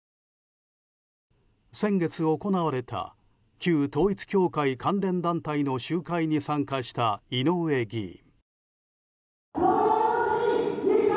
先月行われた旧統一教会関連団体の集会に参加した井上議員。